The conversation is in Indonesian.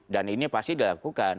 dan ini pasti dilakukan